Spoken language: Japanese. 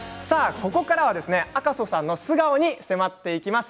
ここからは赤楚さんの素顔に迫っていきます。